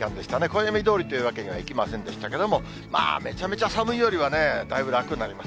暦どおりというわけにはいきませんでしたけれども、めちゃめちゃ寒いよりはね、だいぶ楽になります。